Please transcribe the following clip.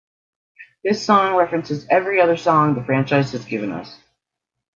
This song references every other song the franchise has given us.